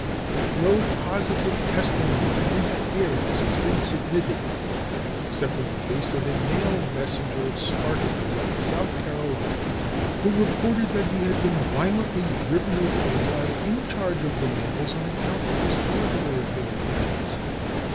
But no positive testimony of interference has been submitted, except in the case of a mail messenger at Spartanburg, in South Carolina, who reported that he had been violently driven away while in charge of the mails on account of his political affiliations.